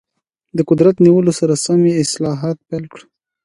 د قدرت نیولو سره سم یې اصلاحات پیل کړل.